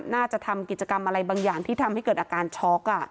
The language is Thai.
น่าจะทำกิจกรรมอะไรบางอย่างที่ทำให้เกิดอาการช็อก